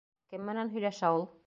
Кем менән һөйләшә ул?